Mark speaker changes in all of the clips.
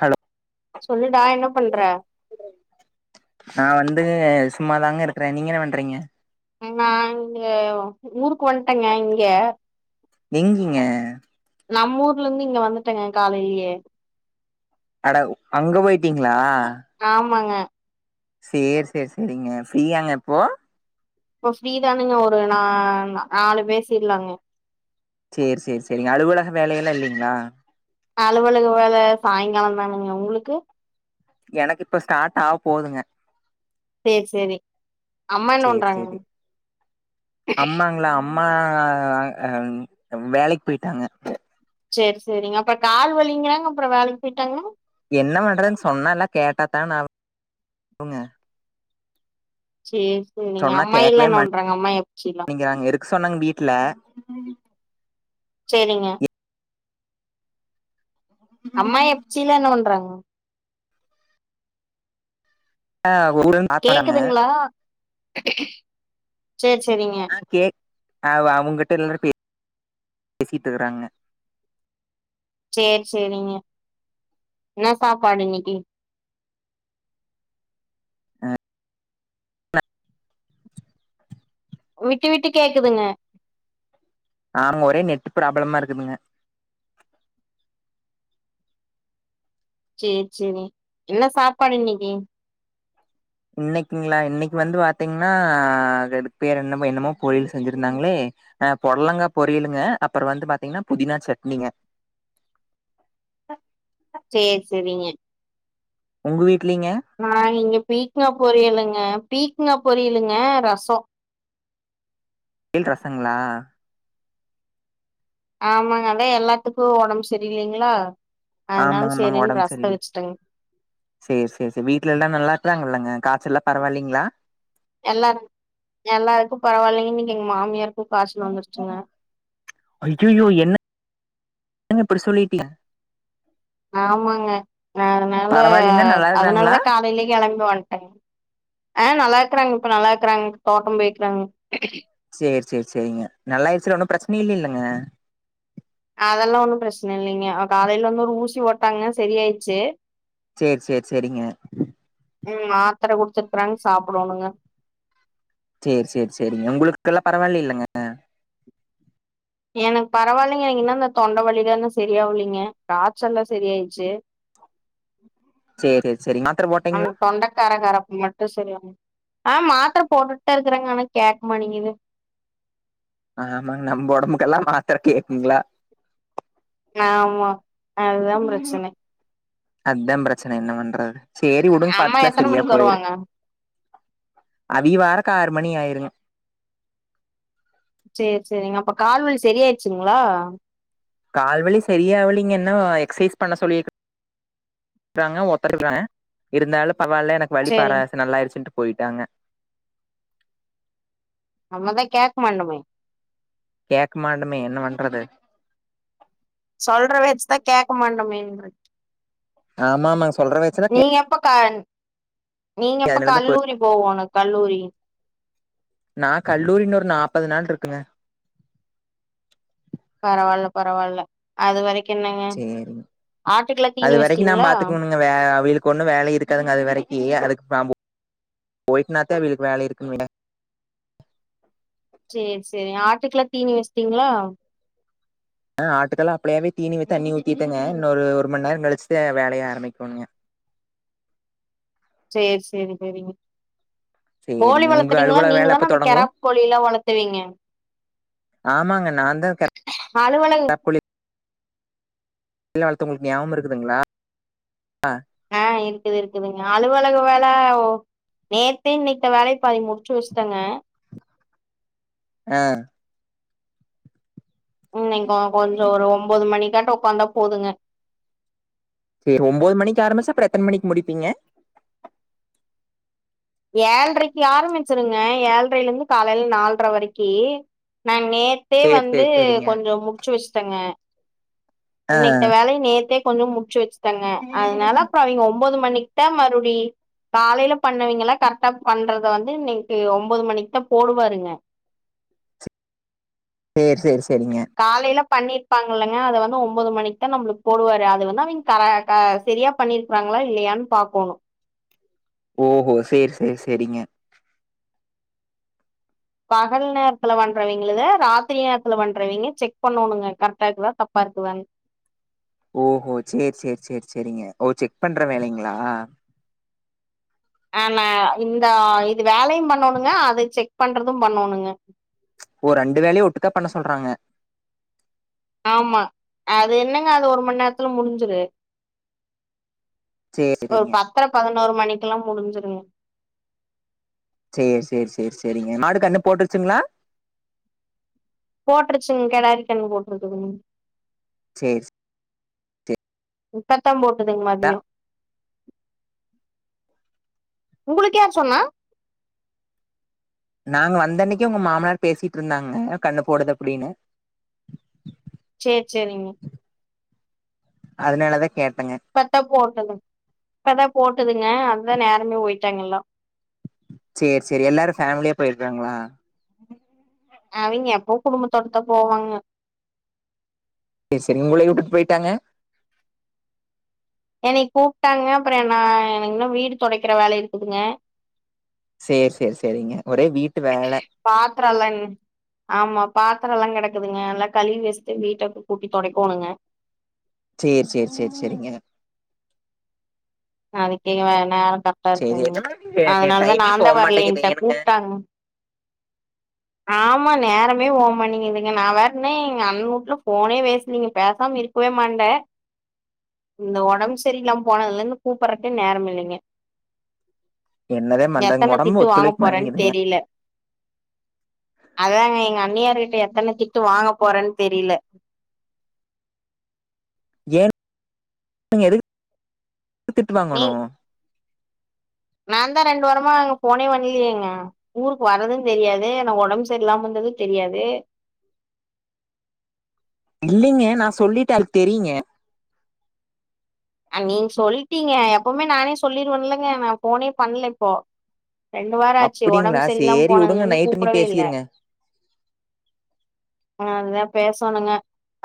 Speaker 1: Hello
Speaker 2: சொல்லுடா என்ன பண்ற
Speaker 1: நா வந்து சும்மாதாங்க இருக்றே நீங்க என்ன பண்றீங்க
Speaker 2: ஆ நா இங்க ஊருக்கு வந்ட்டேங்க இங்க
Speaker 1: எங்கிங்க
Speaker 2: நம்ம ஊர்ல இருந்து இங்க வந்துட்டேங்க காலையிலயே
Speaker 1: அட அங்க போயிட்டீங்ளா
Speaker 2: ஆமாங்க
Speaker 1: சேரி சேரி சேரிங்க ஃப்ரீயாங்க இப்போ
Speaker 2: இப்ப ஃப்ரீதானுங்க ஒரு நா நாலு பேசிடலாங்க
Speaker 1: சேரி சேரி சேரிங்க அலுவலக வேலைைய எல்லா இல்லைங்ளா
Speaker 2: அலுவலக வேலை சாயங்கால தாங்க உங்களுக்கு
Speaker 1: எனக்கு இப்ப ஸ்டார்ட் ஆக போதுங்க
Speaker 2: சேரி சேரிங்க அம்மா என்ன
Speaker 1: சேர்
Speaker 2: பண்றாங்க
Speaker 1: சேரி அம்மாங்களா அம்மா அ அ வேலைக்கு போயிட்டாங்க
Speaker 2: சேரி சேரிங்க அப்றோ கால் வலிங்கிறாங்க அப்றோ வேலைக்கு போயிட்டாங்கா
Speaker 1: என்ன பண்றதுன் சொன்னல்லா கேட்டா தான விடுங்க ங்க
Speaker 2: சேரி சேரிங்க
Speaker 1: சொன்னா
Speaker 2: அம்மாய் எல்லா
Speaker 1: கேட்கவே
Speaker 2: பண்றாங்க அம்மாய் அப்புச்சி எல்லா
Speaker 1: மாட்டேங்கிறாங்க இருக்க சொன்னாங்க வீட்ல
Speaker 2: சேரிங்க அம்மாயி அப்ச்சி எல்லா என்ன பண்றாங்க
Speaker 1: ஆ ஊழல்
Speaker 2: கேக்குதுங்களா சேரி சரிங்க
Speaker 1: கே அவு அவுங்க கிட்ட எல்லாரும் பே பேசிட்டு இருக்குறாங்க
Speaker 2: சேரி சேரிங்க என்ன சாப்பாடு இன்னைக்கு
Speaker 1: அ
Speaker 2: விட்டு விட்டு கேக்குதுங்க
Speaker 1: அ ஒரே நெட் ப்ராப்ளமா இருக்குதுங்க
Speaker 2: சேரி சேரி என்ன சாப்பாடு இன்னைக்கு
Speaker 1: இன்னைக்குங்களா இன்னைக்கு வந்து பாத்தீங்கன்னா பேர் என்னமோ என்னமோ பொறியல் செஞ்சிருந்தாங்களே ஆ பொடலாங்கா பொறியலுங்க அப்புற வந்து பாத்தீங்கன்னா புதினா சட்னிங்க
Speaker 2: செரி செரிங்க
Speaker 1: உங்கள் வீட்லிங்க
Speaker 2: ஆ இங்க பீக்கங்க பொரியலுங்க பீக்கங்க பொரியலுங்க ரசோ
Speaker 1: பொறில் ரசங்களா
Speaker 2: ஆமாங்க அதா எல்லாத்துக்கு ஒடம்பு சரியில்லைங்களா அதனால
Speaker 1: ஆமா
Speaker 2: சரின்னு ரசத வெச்சுட்டேங்க
Speaker 1: செரி செரி செரி வீட்ல எல்லா நல்லா இருக்காங்கல்லாங்க காய்ச்சல் எல்லா பரவாயில்லைங்களா
Speaker 2: எல்லாரு எல்லாருக்கு பரவாயில்லைங்கன்ன இங்க எங்க மாமியாருக்கு காய்ச்சல் வந்துருச்சுங்க
Speaker 1: ஐய்யையோ என்னங்க இப்படி சொல்லிட்டீங்க
Speaker 2: ஆமாங்க நா அதனால
Speaker 1: பரவாயில்லைங்க நல்லா இருக்கறாங்களா
Speaker 2: அதனாலதா காலையிலேயே கேளம்பி வண்டங்க ஆ நல்லா இருக்கறாங்க இப்ப நல்லா இருக்கறாங்க தோட்டம் போயிருக்காங்க
Speaker 1: செரி செரி செரிங்க நல்லாயிடுச்சுல ஒன்னு பிரச்சன இல்ல இல்லைங்க
Speaker 2: அதெல்லா ஒன்னு பிரச்சன இல்லைங்க காலையில வந்து ஒரு ஊசி போட்டாங்க சரிய ஆயிடுச்சு
Speaker 1: செரி செரி செரிங்க
Speaker 2: ம் மாத்திர குடுத்துருக்கறாங்க சாப்பிடோணுங்க
Speaker 1: செரி செரி செரிங்க உங்களுக்கெல்லா பரவால்ல இல்லைங்க
Speaker 2: எனக்கு பரவாயில்லைங்க இன்னு அந்த தொண்ட வலிதா செரியாகலைங்க காச்சல்லா செரி ஆயிடுச்சு
Speaker 1: செரி செரிங் மாத்ர போட்
Speaker 2: ஆ தொண்டக் கர கரப்பு மட்டு அப்பதா சரியாவு ஆ மாத்ர போட்டுட்டுதா இருக்கறேங்க ஆனா கேக்க மாட்டேங்குது
Speaker 1: ஆமாங்க நம்ம ஒடம்புக்கெல்லா மாத்ர கேக்குங்களா
Speaker 2: ஆமா அதுதா பிரச்சன
Speaker 1: அத்தா பிரச்சன என்ன பண்றது சேரி உடுங்க
Speaker 2: அம்மா
Speaker 1: பாத்துகலா
Speaker 2: எத்தன
Speaker 1: செரியா
Speaker 2: மணிக்கு
Speaker 1: போயிரு
Speaker 2: வருவாங்க
Speaker 1: அவிய வாரக்கு ஆறு மணி ஆயிருங்க
Speaker 2: சேரி சேரிங்க அப்ப கால்வலி செரி ஆயிடுச்சுங்களா
Speaker 1: கால்வலி செரியாவலைங்க இன்னு எக்சசைஸ் பண்ண சொல்லிருக்கு றாங்க ஒத்தருங்க இருந்தாலு பரவாயில்ல எனக்கு வலி
Speaker 2: சேரி
Speaker 1: [unintelligible] நல்லாயிருச்சுன்ட்டு போயிட்டாங்க
Speaker 2: நம்மதா கேக்க மாட்டோமே
Speaker 1: கேக்க மாட்டோமே என்ன பண்றது
Speaker 2: சொல்ற பேச்சதா கேட்க மாட்டோமேன்ர
Speaker 1: ஆமா ஆமா சொல்ற வயசுல
Speaker 2: நீ எப்ப க நீங்க எப்ப
Speaker 1: அதனாலதா போய்
Speaker 2: கல்லூரி போவோணு கல்லூரி
Speaker 1: நா கல்லூரி இன்னு ஒரு நாப்பது நாள் இருக்குங்க
Speaker 2: பரவாயில்ல பரவாயில்ல அது வரைக்கு என்னங்க
Speaker 1: சேரிங்க
Speaker 2: ஆட்டுக்கெல்லா
Speaker 1: அது
Speaker 2: தீனி
Speaker 1: வரைக்கு நா
Speaker 2: வெச்சிட்டிங்களா
Speaker 1: பாத்துக்கணுங்க வே அவியளுக்கு ஒண்ணு வேலை இருக்காதுங்க அது வரைக்கு அதுக்கு [unintelligible] போய்ட்னாதா அவியளுக்கு வேலை இருக்குனு வையே
Speaker 2: சேரி சேரிங்க ஆட்டுக்கெல்லா தீனி வெச்டீங்களா
Speaker 1: ஆ ஆட்டுக்கெல்லா அப்லேவே தீனி தண்ணி ஊத்திட்டெங்க இன்னு ஒரு ஒரு மணி நேர கழிச்சுதா வேலைய ஆரம்பிக்கோணுங்க
Speaker 2: செரி செரி செரிங்க கோழி
Speaker 1: சேரிங்க உங்க
Speaker 2: வளர்த்துறீங்களா
Speaker 1: அலுவலக
Speaker 2: நீங்க
Speaker 1: வேல எப்ப
Speaker 2: தானே அந்த
Speaker 1: தொடங்கு
Speaker 2: கெராப் கோழி எல்லா வளத்துவீங்க
Speaker 1: ஆமாங்க நான் தா
Speaker 2: அலுவலக
Speaker 1: கோழிலா வளத்தே உங்களுக்கு ஞபாகம் இருக்குதுங்களா
Speaker 2: ஆ இருக்குது இருக்குதுங்க அலுவலக வேல நேத்தே இன்னைக்தா வேலைய பாதி முடிச்சு வச்ட்டேங்க
Speaker 1: ஆ
Speaker 2: இன்னைக்கு கொஞ்சொ ஒரு ஒம்போது மணிக்காட்ட உக்காந்தா போதுங்க
Speaker 1: செரி ஒம்போது மணிக்கு ஆரம்பிச்சா அப்ற எத்தன மணிக்கு முடிப்பீங்க
Speaker 2: ஏழ்ரைக்கு ஆரம்பிச்சிருங்க ஏழ்ரையில இருந்து காலைல நால்ர வரைக்கி நா நேத்தே
Speaker 1: சேர்
Speaker 2: வந்து
Speaker 1: சேர் சேரிங்க
Speaker 2: கொஞ்ச முடு ச்சு வச்சுடேங்க
Speaker 1: ஆ
Speaker 2: இன்னைக்த வேலைய நேத்தே கொஞ்சொ முடிச்சு வச்சு ட்டங்க அதனால அப்ற அவிங்க ஒம்போது மணிக்குதா மறுபடி காலைல பண்ணவைங்களா கரெக்டா பண்றத வந்து இன்னைக்கு ஒம்பது மணிக்குதா போடுவாருங்க
Speaker 1: சேர் சேர் செரிங்க
Speaker 2: காலைல பண்ணிருப்பாங்க இல்லங்க அத வந்து ஒம்பது மணிக்குதா நம்மளுக்கு போடுவாரு அது வந்து அவங்க கர க சரியா பண்ணிருக்குறாங்களா இல்லையான்னு பாக்கோணு
Speaker 1: ஓஹோ சேர் சேர் செரிங்க
Speaker 2: பகல் நேரத்துல பண்றவிங்களத ராத்திரி நேரத்துல பண்றவிங்க செக் பண்ணோணுங்க கரெக்டா இருக்குதா தப்பா இருக்குதானு
Speaker 1: ஓஹோ சேர் சேர் சேர் செரிங்க ஓ செக் பண்ற வேலைங்களா
Speaker 2: ஆனா இந்த இது வேலையு பண்ணோணுங்க அத செக் பண்றதும் பண்ணோணுங்க
Speaker 1: ஓ ரெண்டு வேலையு ஒட்டுக்கா பண்ண சொல்றாங்க
Speaker 2: ஆமா அது என்னங்க அது ஒரு மண் நேரத்துல முடிஞ்சிரு
Speaker 1: சேர்
Speaker 2: ஒரு
Speaker 1: சேரிங்க
Speaker 2: பத்தர பதினோரு மணிக்கெல்லா முடிஞ்சிருங்க
Speaker 1: சேர் சேர் சேர் செரிங்க மாடு கண்ணு போட்டுருச்சுங்களா
Speaker 2: போட்டுருச்சுங்க கெடாரி கன்னு போட்டுருக்குதுங்க
Speaker 1: சேரி
Speaker 2: இப்பதா போட்டுதுங் மதியோ உங்களுக்கு யார் சொன்னா
Speaker 1: நாங்க வந்தன்னைக்கே உங்க மாமனார் பேசிட் இருந்தாங்க கன்னு போடுது அப்டின்னு
Speaker 2: சேர் செரிங்க
Speaker 1: அதனாலதா கேட்டங்க
Speaker 2: இப்பதா போட்டுதுங் இப்பதா போட்டுதுங்க அதுதா நேரமே ஓய்ட்டாங்க எல்லா
Speaker 1: சேர் செரி எல்லாரு ஃபேமிலியா போய்ருக்றாங்ளா
Speaker 2: அவிங்க எப்பவு குடும்பத்தோடதா போவாங்க
Speaker 1: அதுசரி உங்களயு உட்டுட்டு போய்ட்டாங்க
Speaker 2: என்னயு கூப்ட்டாங்க அப்புறோ நா எனக்கு இன்னு வீடு தொடைக்கிற வேல இருக்குதுங்க
Speaker 1: சேர் செரி செரிங்க ஒரே வீட்டு வேல
Speaker 2: பாத்ரோலங் ஆமா பாத்தரோல கெடக்குதுங்க நல்லா கழுவி வச்ட்டு வீட்ட ப்ப கூட்டி தொடைக்கொணுங்க
Speaker 1: சேர் செர் செரி செரிங்க
Speaker 2: நாளைக்கே வேணான்ட ட்டா
Speaker 1: சேரி
Speaker 2: இருக்குங்க
Speaker 1: என்ன
Speaker 2: அதனாலதா
Speaker 1: டைமே
Speaker 2: நாந்தா
Speaker 1: போக மாட்டேங்குது
Speaker 2: வர்லைன்ட்ட
Speaker 1: ஏனுங்க
Speaker 2: கூப்ட்டாங்க ஆமா நேரமே போ மானிக்குதுங்க நா வேறனே எங்க அண்ண ஊட்ல போனே பேஸ்லைங்க பேசாம இருக் குவே மாண்ட இந்த ஒடம்பு சரியில்லாம போனதுல இருந்து கூப்பட்றக்கே நேரமில்லைங்க
Speaker 1: என்னதே பண்றதுங்க
Speaker 2: எத்தன
Speaker 1: ஒடம்பு
Speaker 2: திட்டு வாங்க
Speaker 1: ஒத்துழைக்க
Speaker 2: போறன்
Speaker 1: மாட்டேங்குதுங்க
Speaker 2: தெரில அதாங்க எங்க அண்ணியாருகிட்ட எத்தன திட்டு வாங்க போறனு தெரில
Speaker 1: ஏன் எதுக் திட்டு வாங்கணு
Speaker 2: நான்தா ரெண்டு வாரமா அங்க போனே பண்லயேங்க ஊருக்கு வர்றது தெரியாது நா உடம்பு செரியிலாமந்தது தெரியாது
Speaker 1: இல்லைங்க நா சொல்லிட்ட அதுக் தெரியுங்க
Speaker 2: நீங்க சொல்டிங்க எப்பமே நானே சொல்லிருவென்லங்க நா ஃபோனே பண்ல இப்போ ரெண்டு வாரோ ஆச்சு
Speaker 1: அப்டிங்களா
Speaker 2: உடம்பு சரியில்லாம
Speaker 1: சேரி
Speaker 2: போனதுல
Speaker 1: வுடுங்க
Speaker 2: இருந்து
Speaker 1: நைட்டு நீ
Speaker 2: கூப்டவே இல்ல
Speaker 1: பேசிருங்க
Speaker 2: அதுதா பேசணுங்க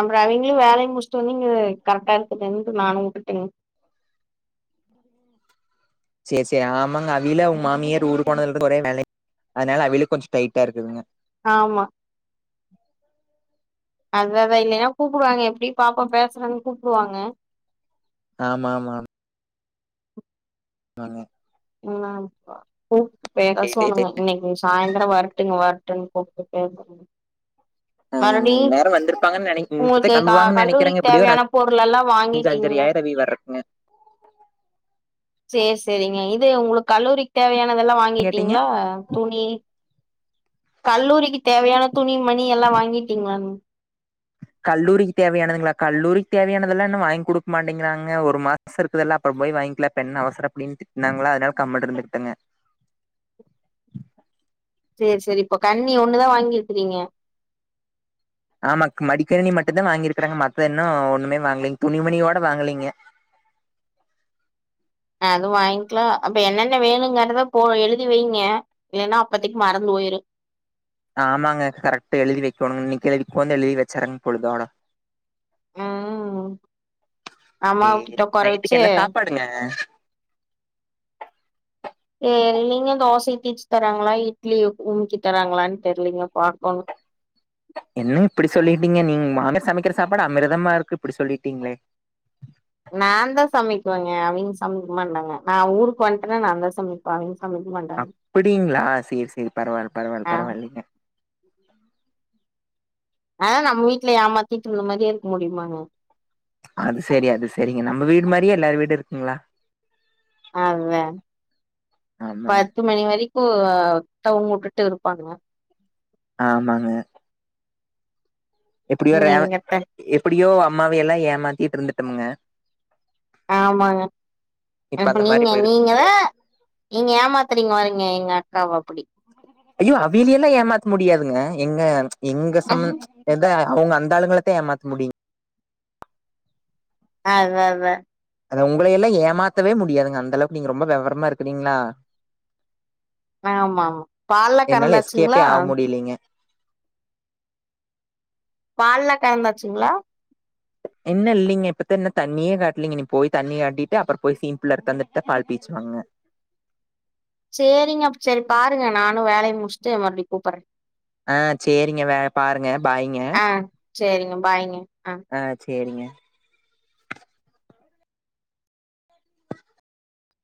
Speaker 2: அப்றோ அவிங்களு வேலைய முடிச்சுட்டு வந்து இங்க கரெக்டா இருக்கட்டுனு நானு உட்டுட்டேங்க
Speaker 1: சரி சரி ஆமாங்க அவியில உங்க மாமியார் ஊரு போனதுலர்ந்து ஒரே வேலை அதனால அவில கொஞ்சோ டைட்டா இருக்குதுங்க
Speaker 2: ஆமா அது அதா இல்லன்னா கூப்டுவாங்க எப்டியு பாப்போ பேசுவோனு கூப்டுவாங்க
Speaker 1: ஆமா மா [unintelligible]
Speaker 2: என்னப்பா பூ பேர
Speaker 1: சேரி சேரி
Speaker 2: சொல்லுங்க
Speaker 1: சேரிங்க
Speaker 2: இன்னைக்கு விஷ் சாயந்த்ரோ வரட்டுங்க வரட்டுங்க கூப்ட்டு பேசணு
Speaker 1: ஆ
Speaker 2: மாணவி
Speaker 1: நேரோ வந்திருப்பாங்கன்னு நெனை இப்பத்தே
Speaker 2: உங்களுக்கு
Speaker 1: கெளம்புவாங்கன்னு நெனைக்கிறேங்க
Speaker 2: கல்லூரிக்கு தேவையான பொருள் எல்லா வாங்கிட்டீங்ளா
Speaker 1: பதவி வர்றக்குங்க
Speaker 2: செர் செரிங்க இது உங்களுக்கு கல்லூரிக்கு தேவையானதெல்லா வாங்
Speaker 1: கேட்டீங்க
Speaker 2: வாங்கிட்டீங்ளா துணி கல்லூரிக்கு தேவையான துணி மணி எல்லா வாங்கிட்டீங்ளானு
Speaker 1: கல்லூரிக்கு தேவையானதுங்ளா கல்லூரிக்கு தேவையானதெல்லா இன்னு வாங்கி குடுக்க மாட்டேங்கிறாங்க ஒரு மா செருப்பு இதெல்லா அப்ரோ போய் வாங்கிக்ல இப்பென்ன அவசரோ அப்டின் திட்னாங்களா அதனால கம்முன் இருந்துகிட்டேங்க
Speaker 2: சரி சரி இப்போ கண்ணி ஒன்னுதா வாங்கிருக்குறீங்க
Speaker 1: ஆமா மடிக்கணினி மட்டுதா வாங்கியிருக்கறங்க மத்த இன்னு ஒன்னுமே வாங்லைங்க துணிமணியோட வாங்லைங்க
Speaker 2: அது வாங்கிக்லா அப்ப என்னென்ன வேணுங்கறத போ எழுதி வைங்க இல்லைன்னா அப்பதைக்கு மறந்து போயுரு
Speaker 1: ஆமாங்க கரெக்ட்டா எழுதி வெக்கொணுங் இன்னிக்கு எழ் உக்காந்து எழுதி வச்சுறங்க பொழுதோட
Speaker 2: ம் அம்மாவ கிட்ட
Speaker 1: சேரி
Speaker 2: உக்கார
Speaker 1: நைட்டுக்
Speaker 2: வச்சு
Speaker 1: என்ன சாப்பாடுங்க
Speaker 2: ஏ இல்லீங்க தோசைய தீச்சி தராங்ளா இட்லிய உமிக்கி தராங்ளான் தெர்லீங்க பாக்கொணு
Speaker 1: என்னங் இப்டி சொல்லிட்டீங்க நீங்க மாமியார் சமைக்கிற சாப்பாடு அமிர்தமா இருக்கு இப்டி சொல்லிட்டீங்ளே
Speaker 2: நாந்தா சமைக்குவங்க அவிங்க சமைக்க மாட்டாங்க நா ஊர்க்கு வன்ட்டனா நாந்தா சமைக் ப அவிங் சமைக் மாட்டாங்க
Speaker 1: அப்டீங்ளா செரி செரி பரவால்ல பரவால்ல
Speaker 2: ஆ
Speaker 1: பரவால்லிங்க
Speaker 2: ஆ நம்ம வீட்ல ஏமாத்திட்டுருந்த மாரியே இருக்க முடியுமாங்க
Speaker 1: அது செரி அது செரிங்க நம்ப வீடு மாரியே எல்லார் வீடு இருக்குங்ளா
Speaker 2: அதா
Speaker 1: ஆமாங்க
Speaker 2: பத்து மணி வரிக்கு தூங்கவுட்டுட்டு இருப்பாங்க
Speaker 1: ஆமாங்க எப்டியோ ரே
Speaker 2: எங்கத்த
Speaker 1: எப்டியோ அம்மாவைலா ஏமாத்திட் இருந்துட்டம்ங்க
Speaker 2: ஆமாங்க அப்ப
Speaker 1: மாரி
Speaker 2: நீங்க
Speaker 1: போயிருக்க
Speaker 2: நீங்க தா
Speaker 1: முடியாதுங்க
Speaker 2: நீங்க ஏமாத்துறீங்லாங்க எங்க அக்காவ அப்டி
Speaker 1: ஐயோ அவியலல்லா ஏமாத்த முடியாதுங்க எங்க எங்க சம் எத அவ்ங்க அந்த ஆளுங்களத்த ஏமாத்த முடியுங்
Speaker 2: அ அத அத.
Speaker 1: அது உங்களயெல்லா ஏமாத்தவே முடியாதுங்க அந்தளவுக் நீங்க ரொம்ப வெவரமா இருக்குறிங்ளா.
Speaker 2: ஆமா ஆமா பால்ல
Speaker 1: என்னால
Speaker 2: கறந்தாச்சுங்களா
Speaker 1: எஸ்கேப்பே ஆவ் முடிலீங்க.
Speaker 2: பால்லா கரந்தாச்சுங்ளா?
Speaker 1: இன்னு இல்லிங்க இப்பத்தா இன்னு தண்ணியே காட்லீங்க இனி போய் தண்ணி காட்டிட்டு அப்புற போய் சீம்பில் அறுத்தாந்துட்தா பால் பீச்சுவாங்க.
Speaker 2: சேரிங்க அப் சேரி பாருங்க நானு வேலைய முட்ச்ட்டு மறுவுடி கூப்பர்றே.
Speaker 1: ஆ சேரிங்க வே பாருங்க பாய்ங்க.
Speaker 2: அ சேரிங்க பாய்ங்க. ஆ
Speaker 1: அ சேரிங்க.